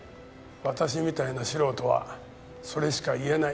私みたいな素人はそれしか言えない。